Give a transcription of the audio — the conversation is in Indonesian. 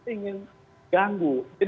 kalau ini terlalu lama kita banyak ingin